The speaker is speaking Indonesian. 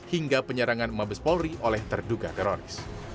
hingga penyerangan mabes polri oleh terduga teroris